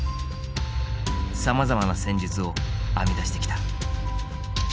さまざまな戦術を編み出してきた。